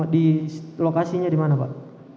di lokasinya dimana pak